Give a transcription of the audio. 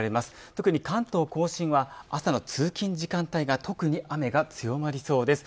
特に関東甲信は朝の通勤時間帯が特に雨が強まりそうです。